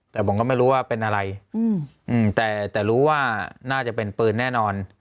แต่ผมก็ไม่รู้ว่าเป็นอะไรแต่รู้ว่าน่าจะเป็นปืนแน่นอน